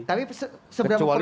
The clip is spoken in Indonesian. tapi seberapa keluar